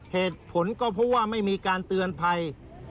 เหตุผลก็เพราะว่าไม่มีการเตือนภัย